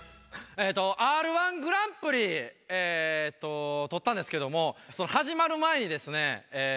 「Ｒ−１グランプリ」取ったんですけども始まる前にですね